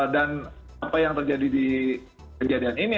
dan apa yang terjadi di kejadian ini